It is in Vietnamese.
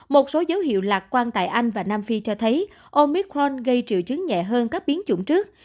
một số dấu hiệu lạc quan tại anh và nam phi cho thấy omicron gây triệu chứng nhẹ hơn các biến chủng trước